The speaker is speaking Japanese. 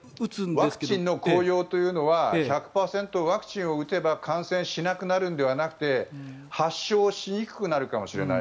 ワクチンの効用というのは１００％ワクチンを打てば感染しなくなるのではなくて発症しにくくなるかもしれない。